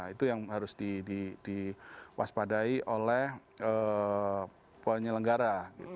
itu yang harus diwaspadai oleh poinnya lenggara